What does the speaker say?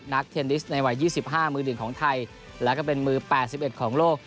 นักเทนนิสในวัยยี่สิบห้ามือหนึ่งของไทยแล้วก็เป็นมือแปดสิบเอ็ดของโลก